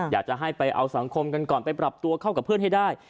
อยากจะให้ไปเอาสังคมกันก่อนไปปรับตัวเข้ากับเพื่อนให้ได้